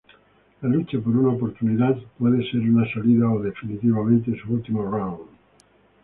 La lucha por una oportunidad puede ser una salida o, definitivamente, su último round.